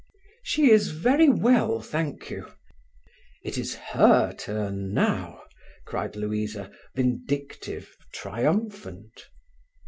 "She is very well, thank you. It is her turn now," cried Louisa, vindictive, triumphant.